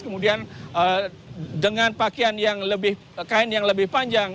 kemudian dengan pakaian yang lebih kain yang lebih panjang